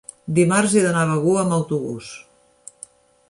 dimarts he d'anar a Begur amb autobús.